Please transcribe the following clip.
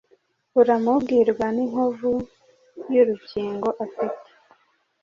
uramubwirwa n'inkovu y'urukingo afite